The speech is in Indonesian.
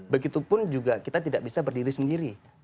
begitupun juga kita tidak bisa berdiri sendiri